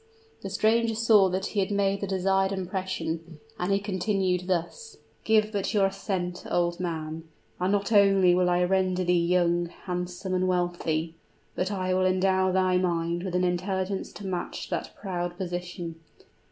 The stranger saw that he had made the desired impression; and he continued thus: "Give but your assent, old man, and not only will I render thee young, handsome, and wealthy; but I will endow thy mind with an intelligence to match that proud position.